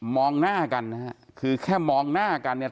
หน้ากันนะฮะคือแค่มองหน้ากันเนี่ย